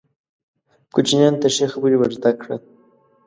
کوچنیانو ته ښې خبرې ور زده کړه.